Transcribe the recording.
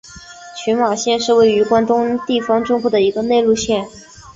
群马县是位于关东地方中部的一个内陆县。